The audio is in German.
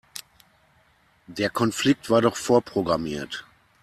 Der Konflikt war doch vorprogrammiert.